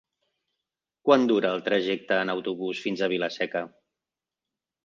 Quant dura el trajecte en autobús fins a Vila-seca?